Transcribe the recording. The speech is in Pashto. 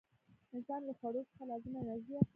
انسان له خوړو څخه لازمه انرژي اخلي.